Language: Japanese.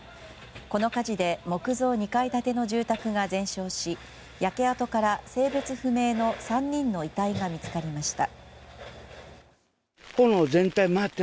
この火事で木造２階建ての住宅が全焼し焼け跡から性別不明の３人の遺体が見つかりました。